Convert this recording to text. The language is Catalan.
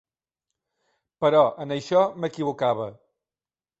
Però en això m'equivocava.